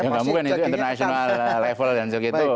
gak mungkin itu internasional level dan segitu